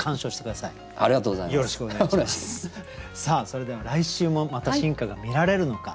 それでは来週もまた進化が見られるのか。